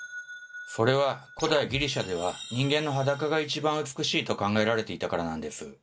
それは古代ギリシャでは人間の裸が一番美しいと考えられていたからなんです。